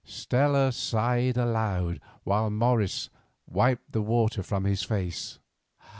Stella sighed aloud, while Morris wiped the water from his face.